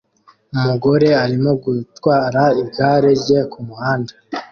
Umugore arimo gutwara igare rye kumuhanda